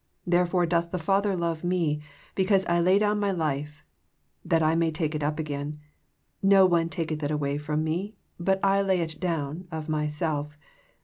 ... Therefore doth the Father love Me, because 1 lay down BIy life, that I may take it again. No one taketh it away from Me, but I lay it down of 3Tyself.